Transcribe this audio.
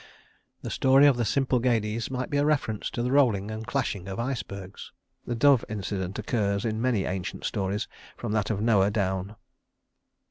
The story of the Symplegades may be a reference to the rolling and clashing of icebergs. The dove incident occurs in many ancient stories, from that of Noah down.